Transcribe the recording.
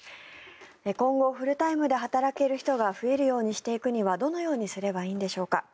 今後、フルタイムで働ける人が増えるようにしていくためにはどのようにすればいいんでしょうか。